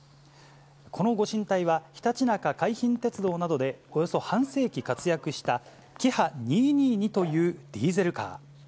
このご神体は、ひたちなか海浜鉄道などで、およそ半世紀活躍したキハ２２２というディーゼルカー。